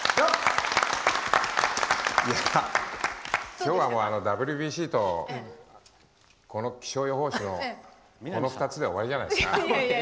今日はＷＢＣとこの気象予報士の２つで終わりじゃないですか？